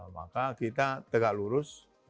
maka kita tegak lurus